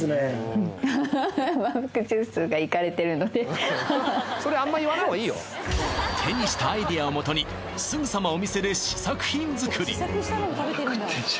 うん手にしたアイデアをもとにすぐさまお店で試作品作り